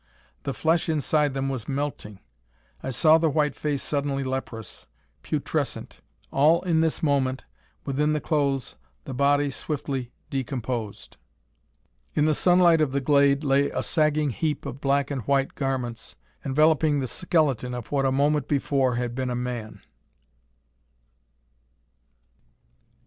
The flesh inside them was melting.... I saw the white face suddenly leprous; putrescent.... All in this moment, within the clothes, the body swiftly, decomposed. In the sunlight of the glade lay a sagging heap of black and white garments enveloping the skeleton of what a moment before had been a man!